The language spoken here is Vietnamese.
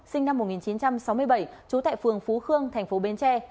sinh năm một nghìn chín trăm sáu mươi bảy trú tại phường phú khương tp bến tre